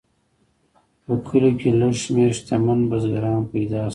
په کلیو کې لږ شمیر شتمن بزګران پیدا شول.